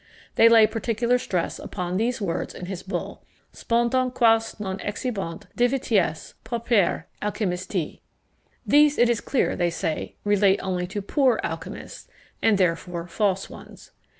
They lay particular stress upon these words in his bull, "Spondent, quas non exhibent, divitias, pauperes alchymistæ." These, it is clear, they say, relate only to poor alchymists, and therefore false ones.